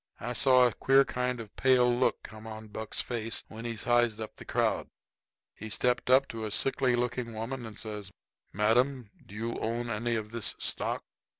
] I saw a queer kind of a pale look come on Buck's face when he sized up the crowd. He stepped up to a sickly looking woman and says: "Madam, do you own any of this stock?"